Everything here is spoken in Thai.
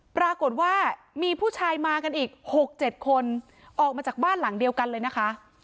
ปรากฏว่ามีผู้ชายมากันอีก๖๗คนออกมาจากบ้านหลังเดียวกันเลยนะคะ